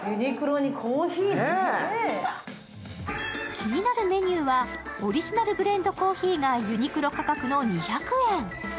気になるメニューはオリジナルブレンドコーヒーがユニクロ価格の２００円！